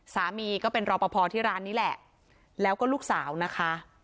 สามีก็เป็นรอปภที่ร้านนี้แหละแล้วก็ลูกสาวนะคะ